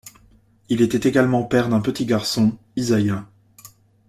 Il était également père d'un petit garçon, Izaiah.